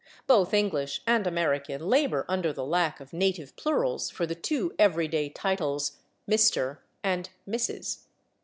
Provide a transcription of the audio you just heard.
Both English and American labor under the lack of native plurals for the two everyday titles, /Mister/ and /Missus